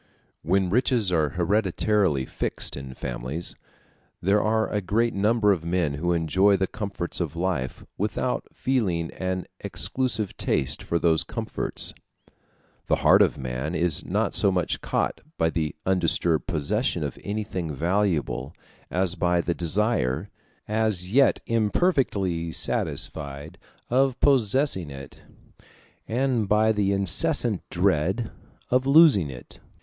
When riches are hereditarily fixed in families, there are a great number of men who enjoy the comforts of life without feeling an exclusive taste for those comforts. The heart of man is not so much caught by the undisturbed possession of anything valuable as by the desire, as yet imperfectly satisfied, of possessing it, and by the incessant dread of losing it.